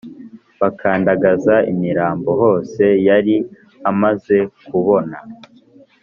bakandagaza imirambo hose, yari amaze kubona